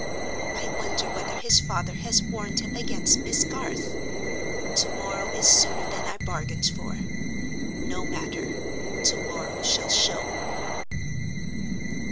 "I wonder whether his father has warned him against Miss Garth? To morrow is sooner than I bargained for. No matter: to morrow shall show."